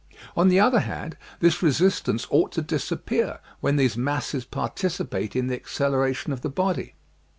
On the other hand, this resistance ought to disappear when these masses participate in the acceleration of the body.